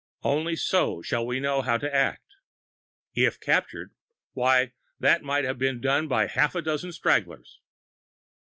Only so shall we know how to act. If captured why, that might have been done by a half dozen stragglers.